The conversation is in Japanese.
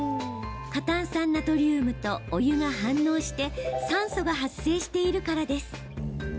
過炭酸ナトリウムとお湯が反応して酸素が発生しているからです。